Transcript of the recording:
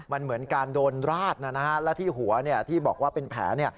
มันเหมือนการโดนราดนะและที่หัวที่บอกว่าเป็นแผล